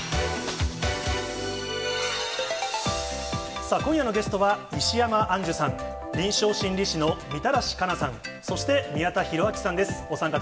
さあ、今夜のゲストは、石山アンジュさん、臨床心理士のみたらし加奈さん、そして宮田裕章さんです。